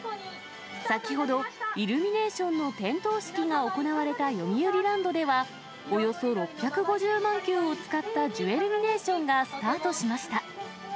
先ほど、イルミネーションの点灯式が行われたよみうりランドでは、およそ６５０万球を使ったジュエルミネーションがスタートしました。